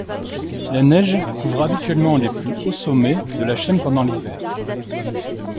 La neige couvre habituellement les plus hauts sommets de la chaîne pendant l'hiver.